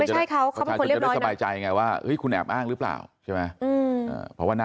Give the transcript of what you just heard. หรือจะไม่ใช่เขาเขามันคนเรียบร้อยนะ